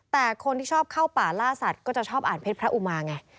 แต่คนที่ชอบเข้าป่าล่าสัตว์ก็จะชอบอ่านเพชรพระอุมาไง